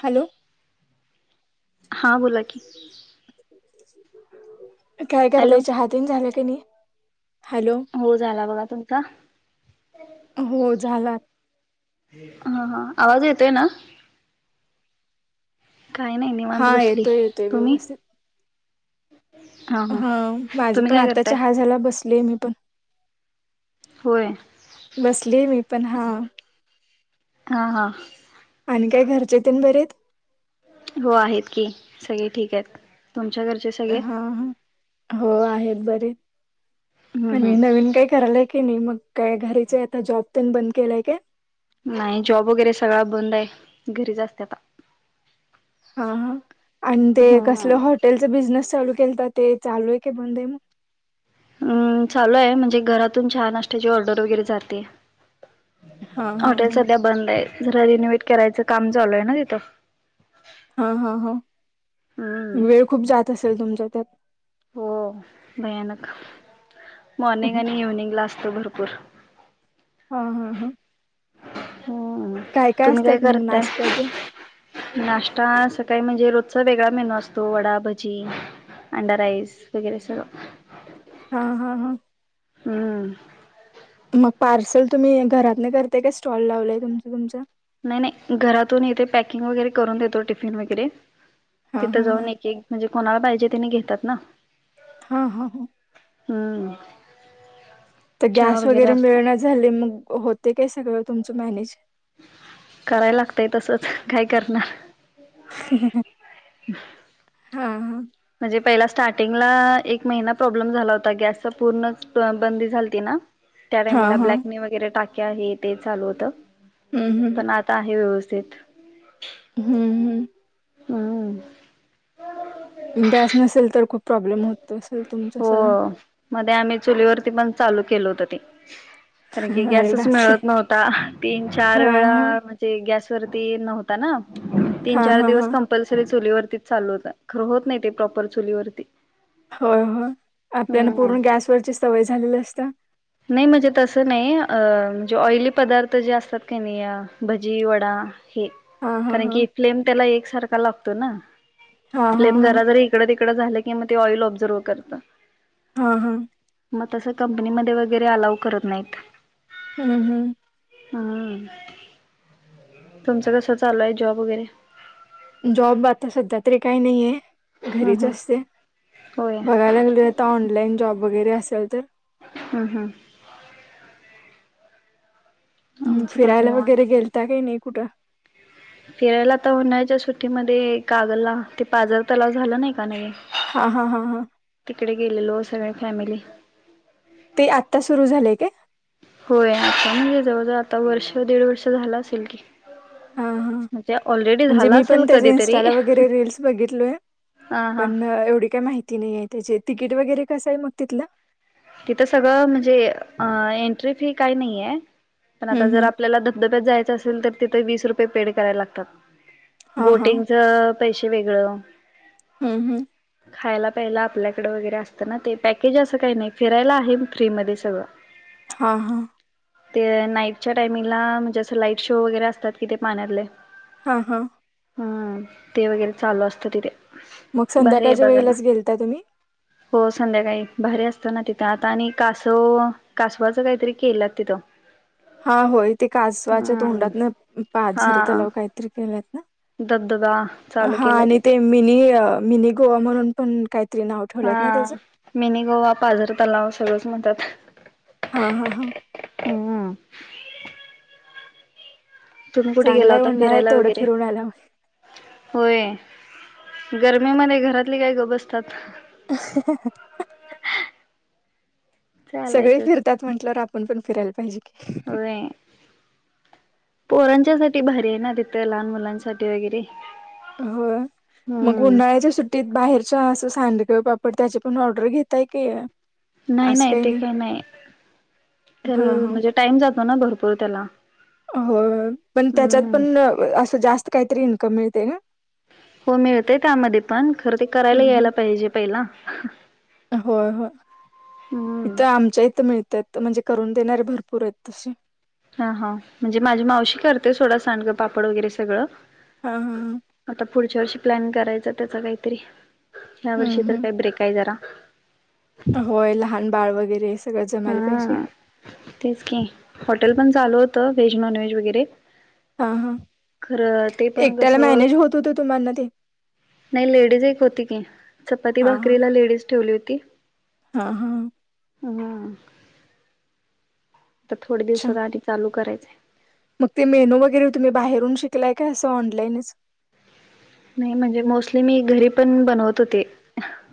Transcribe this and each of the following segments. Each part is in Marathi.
हॅलो हा बोला. की काय हॅलो करालाय च हातीन झालं क नाही. हॅलो हो झाला बघा तुमचा. हो झाला हा हा आवाज येतोय ना. काय नाही निवांत हा बसली येतोय येतोय तुम्ही. व्यवस्थित हा माझ तुम्ही पण काय आता करताय चहा झाला बसलीय मी पण. होय बसलीय मी पण हा. हा हा. काय घरचे त बरे. हो आहेत की सगळे ठीक आहेत. तुमच्या घरचे सगळे हा ह हो आहेत बर हम्म आणि हम्म नवीन काय करायला आहे. नाही मग काय घरीचे आता जॉब प बंद केलाय का. नाही जॉब वगैरे सगळा बंद आहे घरी च असत आता. हा आणि ते कसलं हम्म हॉटेलच बिझनेस चालू होटेल तर ते चालूय का बंद मग हम्म चालू आहे म्हणजे घरातून चहा नाश्त्याची ऑर्डर वगैरे जाते. हा हा हॉटेल हा सध्या बंद आहेत. जरा रिनोवेट करायचं काम चालूय ना तिथं. हा हा हा हम्म वेळ खूप जात असेल तुमचा त्यात. हो भयानक मॉर्निंग आणि इव्हनिंग ला असत. भरपूर हा हा हा. हो तुम्ही काय असतात मग करताय. नाश्त्याचे नाश्ता सकाळी म्हणजे रोजचा वेगळा मेनू असतो वडाभजी, अंड राईस वगैरे सगळ हा हा हा. हम्म....... मग पार्सल तुम्ही घरात नाही करताय का स्टॉल लावलाय तुमच तुमच नाही नाही घरातून इथे पॅकिंग वगैरे करून देतो टिफिन वगैरे हा तिथं हा हा जाऊन एक एक म्हणजे कोणाला पाहिजे तिने घेतात ना हा हा ह हम्म तर चहा गॅस वगैरे असतो मिळण झाले मग होते काय सगळं तुमचं मॅनेज कराय लागतय तसच काय करणार ह ह हा हा म्हणजे पहिला स्टार्टिंगला एक महिना प्रॉब्लेम झाला होता गॅस पूर्ण बंदी झालती ना त्या हा टायमला हा ब्लॅकनी वगैरे टाक्या हे ते चालू होतं हम्म पण आता आहे व्यवस्थित सथ [unintelligible] हम्म हम्म हम [unintelligible] गॅस नसेल तर खूप प्रॉब्लेम होत असेल तुमचा हो सगळा मध्ये आम्ही चुलीवरती पण चालू केलं होत ते कारण की अरे गॅसच बापरे मिळत नव्हता तीन चार हा वेळा हा म्हणजे गॅस तर ते नव्हाता ना तीन हा चार हा हा दिवस कम्पल्सरी चूलीवर चालू होत खरं होत नाही ते प्रॉपर चुलीवरती होय हो आपल्यान हम्म पूर्ण गॅसवरची सवय झालेली असत्या नाही म्हणजे तसं नाही अ म्हणजे ऑइली पदार्थ जे असतात का नाही भजी वडा हे हा हा कारण हा की फ्लेम त्याला एक सारखा लागतो ना हा हा फ्लेम हा जरा जरी इकड इ झालं की मग ते ऑइल ऑब्झर्व करत हा हा मग तस कंपनीमध्ये वगैरे अलाव करत नाहीत हम्म हम्म हम तुमचं कस चालू आहे जॉब वगैरे जॉब आता सध्या तरी काही नाहीये हम्म घरीच हम्म असते होय बघायला लागेल आता ऑनलाईन जॉब वगैरे असेल तर हम्म हम्म हम्म आमचं पण फिरायला वगैरे गेलता काही नाही कुठं फिरायलाता उन्हाळ्याच्या सुट्टीमध्ये कागलला ते पाजर तलाव झालं ना का नाही हा हा हा हा तिकडे गेलेलो सगळ फॅमिली ते आत्ता सुरू झालेय का होय आता म्हणजे जवळ जवळ आता वर्ष दीड वर्ष झालं असेल की हा हा ऑलरेडी म्हणजे झाला मी असेल पण त्याच्या कधीतरी. इन्स्टाला वगैरे रीलस बघितलोय हा हा पण एवढी काय माहिती नाही आहे त्याची तिकीट वगैरे कसं आहे मग तिथलं तिथं सगळं म्हणजे एंट्री फी काही नाहीय पण आता हम्म जर हम्म आपल्याला धबधब यच असेल तर तिथ वीस रुपये पेड करायला लागतात हां हां बोटिंगचे पैसे वेगळं हम्म हम्म खायला प्यायला आपल्याकडे वगैरे असतं ना ते पॅकेज असं काही नाही फिरायला आहे फ्री मध्ये सगळं हा हा ते नाईटच्या टाइमिंगला म्हणजे असं लाईट शो वगैरे असतात कि ते पाण्यातले हा हा ते वगैरे चालू असतं तिथे मग भारी आहे संध्याकाळच्या बघायला वेळेलाच गेलता तुम्ही हो संध्याकाळी भारी असते तिथं आता आणि कासव कासवाचं काहीतरी केलं तिथं हा होय ते कासवाच्या हम्म तोंडातून पाझर तलाव काहीतरी केलेत ना दद [unintelligible] हा आणि ते मिनी मिनी गोवा म्हणून पण काय हा मिनी गोवा पाजर तलाव सगळंच म्हणतात हा हा हा हम तुम्ही कुढे गेला चांगलाय होता उन्हाळ्यात फिरायला तेवढं वगैरे फिरून आला होय गरमीमध्ये घरातले काय गप्प बसतात [unintelligible] सगळे चालायचं फिरतात म्हटल्यावर आपण पण फिरायला पाहिजे की होय पोरांच्या साठी भारी आहे ना तिथं लहान मुलांसाठी वगैरे होय मग हम्म उन्हाळ्याच्या सुट्टीत बाहेरच्या सांडग किंवा पापड त्याची पण ऑर्डर घेताय की नाही असं नाही काही ते काय नाही त्याला हा म्हणजे टाईम जातो ना भरपूर त्याला हो पण त्याच्यात हम्म पण असं जास्त काहीतरी इन्कम मिळते का हो मिळतेय त्यामध्ये पण खर ते करायला हम्म हम्म यायला पाहिजे पहिला होय होय हम्म इथं आमच्या इथं मिळतात म्हणजे करून देणारे भरपूर आहेत तसे हा हा म्हणजे माझी मावशी करते सोडा सांडगं पापड वगैरे सगळं हा हम आता पुढच्या वर्षी प्लॅन करायचा त्याचा काहीतरी ह्या हम्म वर्षी तर हम्म काही ब्रेक आहे जरा होय लहान बाळ वगैरे सगळं जमायला पाहिजे हम तेच क हॉटेल पण चालू होतं व्हेज नॉन व्हेज वगैरे हा हा खरं ते पण कस एकट्याला मॅनेज होत होतं तुम्हाना ते नाही लेडीज एक होती की चपाती हा हा भाकरीला लेडीज ठेवली होती हा हा हम तर थोड्या अच्छा दिवसात पाणी चालू करायचं मग ते मेनू वगैरे तुम्ही बाहेरून शिकलाय का अस ऑनलाईनच नाही म्हणजे मोस्टली मी घरी पण बनवत होते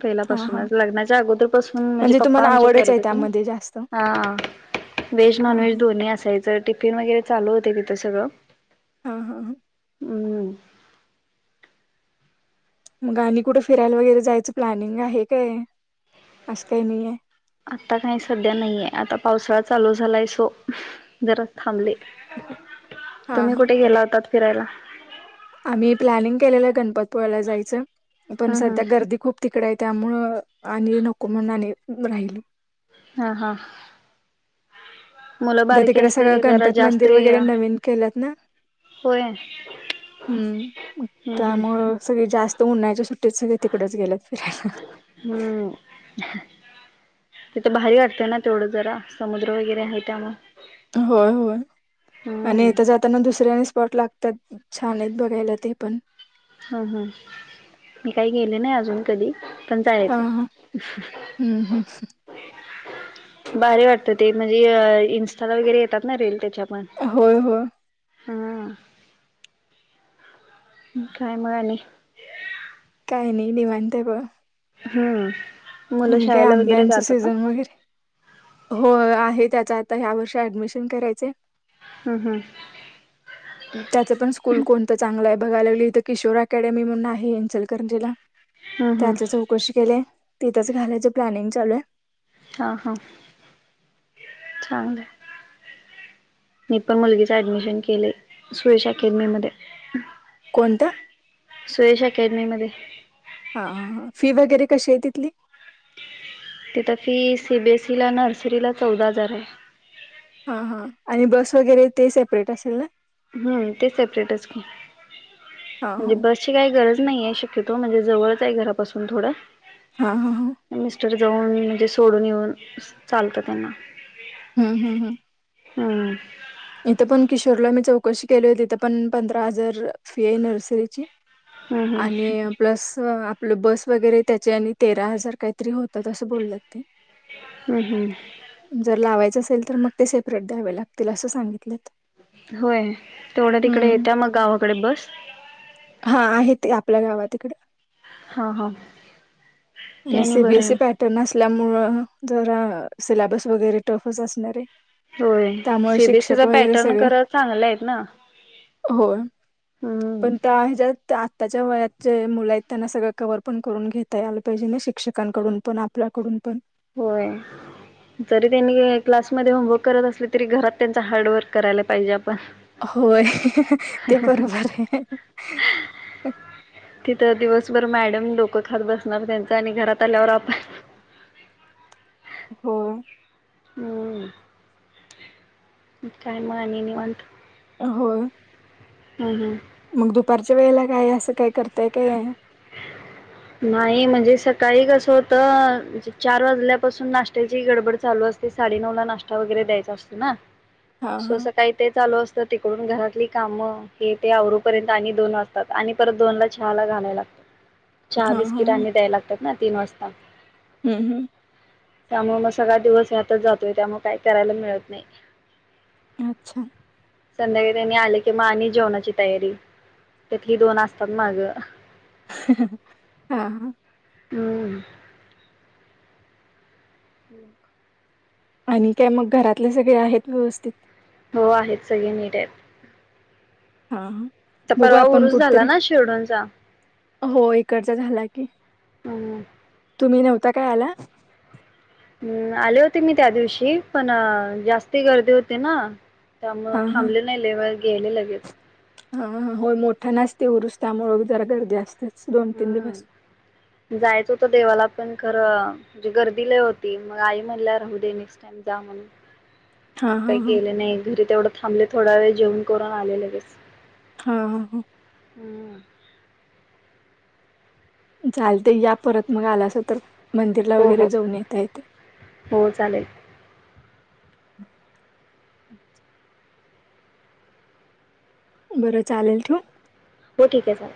पहिल्या हां पाासून हां लग्नाच्या अगोदर पासून म्हणजे पप्पा तुम्हाला आमच्या आवडच करत आहे होते ना त्यामध्ये जास्त हा व्हेज हां नॉन व्हेज हां दोन्ही असायचं टिफिन वगैरे चालू होते तिथं सगळं हा हा हा हम् मग आणि कुठे फिरायला वगैरे जायचं प्लॅनिंग आहे काय असं काही नाही आहे आता काही सध्या नाहीये आता पावसाळा चालू झालाय सो जरा थांबले हां तुम्ही हां कुठे गेला होताात फिरायला गणपतीपुळ्याला जायचं पण हम् हम् सध्या गर्दी खूप तिकड आहे त्यामुळं आणि नको म्हणून राहिल हा हा मुलं आ बारकी तिकड असली सगळं की जरा गणपती जास्त मंदिर वगैरे नवीन केलंत ना होय हम्म हम्म हम्म त्यामुळे सगळे जास्त उन्हाळच्या सुट्टीत सगळे तिकडच गेलेत फिरायला तिथं बाारी वाटतें ना तेवढंच जरा समुद्र वगैरे आहे त्यामुळ होय होय आणि इथं जाताना दुसऱ्याने स्पॉट लागतात छान आहेत बघायला ते पण हम हम मी काही गेले नाही अजून कधी पण हा जायचं आहे हा हम्म हम्म भारी वाटत. ते म्हणजे इंस्टाला वगैरे येतात ना, रिल त्याच्या. होय, हो! हां. कााय म? आनी - [unintelligible] हं - आणि काय? आंब्यांच सीझन वगैरे. हो, आहे. त्यात - त आता ह्या वर्षी ऍडमिशन करायचय. हं ह त्याच पण स्कूल कोणतं चांगलं आहे, बघाय लागली त किशोर अकॅडमी म्हणून आहें इचलकरंजीला हम्म हम्म त्याच चौकशी केली आहे. तिथंच घालायच प्लॅनिंग चालू आहे हा, हा चांगलंय मी पण मुलगीच ऍडमिशन केलंय सुयश अकॅडमी मध्ये कोणत्या? सुयश अकॅडमी मध्ये हा, फी वगैरे कशी आहे, तिथली? तिथं फी सीबीएसईला, नर्सरीला चौदा हजार आहे हा, हा आणि बस वगैरे ते सेपरेट असेल ना? हम्म, ते सेपरेटच की हां म्हणजे हां बसची काही गरज नाही आहे. शक्यतो म्हणजे जवळच आहे, घरापासून थोडं हा, हा, हा मिस्टर जाऊन येऊन म्हणजे सोडून येऊन चालतं त्यांना हम्म, हम्म, हम् ह इथं पण किशोरला मी चौकशी केली होती, तिथं पण पंधरा हजार फी आहे नर्सरीची हम्म हम्म आणि प्लस आपलं बस वगैरे त्याचे, आणि तेरा हजार काहीतरी होतात, असं बोलल्यात ते हम्म, हम्म नसेल तर मग ते सेपरेट द्यावे लागतील असं सांगितलेत होय, तेवढ्या तिकडे हम्म येत्या, मग गावाकडे बस हा आहे ते आपल्या गावात इकडे हा, हा त्यानी सी बी बरं एस सी आहे पॅटर्न अस त्या मुळ जरा सिल्याबस वगैरे टफच असणार आहे होय, त्यामुळे शिक्षक सीबीएसीचा वगैरे पॅटर्न खरा चांगला हेत ना? होय हम्म पण त्या ह्याज्यात त्यात त्याच्या वयाचे मुलं आहेत. त्यांना सगळं कवर पण करून घेता आल पाहिजे ना, शिक्षकांकडून पण आपल्याकडून पण होय जरी त्यांनी क्लास मध्ये होमवर्क करत असले तरी घरात त्यांचा हार्डवर्क करायला पाहिजे आपण होय, ते बरोबर आहे तर दिवसभर मॅडम डोक खात बसणार त्याचं आणि घरात आल्यावर आपण होय होय काय म आणि? निवांत होय ह, ह मग दुपारच्या वेळेला, काय असं काय करताय? काय? नाही म्हणजे सकाळी कसं होत चार वाजल्यापासून नाश्त्याची गडबड चालू साडेनऊला नाश्ता वगैरे द्यायचा असतो ना हा सो हा सकाळी ते चालू अस तर तिकडून घरातली कामं हे ते आवरुपर्यंत आणि दोन वाजतात आणि परत दोन ला चहाला घालायला लागत चहा हा हा बिस्कीट आणि द्यायला लागतात ना तीन वासता हम्म, हम्म त्यामुळ मग सगळा दिवस ह्यातच जातोय त्यामुळे काही करायला मिळत नाही अच्छा संध्याकाळी त्यांनी आले कि म आणि जेवणाची तयारी त्यातली दोन असतात मागं हा, हा हम [inaudible] आणि काय मग घरातले सगळे आहेत व्यवस्थित हो आहेत सगळी नीट आहेत. हा. तर बघू परवा आपण उरुस झाला कुठतरी ना शिरडूनचा हो इकडचा झाला कि हम्म तुम्ही नव्हता काय आला. हम् आले होते मी त्या दिवशी पण जास्ती गर्दी होते ना. त्यामु हा हा थांबले नाही लय वेळ गेले लगेच हा हो मोठं नासते उरुस त्यामुळे जरा गर्दी असते. हम्म जायचं होत देवाला पण खरं म्हणजे गर्दीला होती मग आई म्हणल्या राहू दे नेक्स्ट टाइम जा म्हणून हा हा काही हा केले नाही घरी तेवढं थांबले थोडा वेळ जेवण करून आले ल बस. हा ह ह. हम. चालतंय या परत मग आलासा तर मंदिरला हो वगैरे हो जाऊन येत यथे हो चालेल बरं चालेल ठेऊ. हो ठीक आहे चालेल.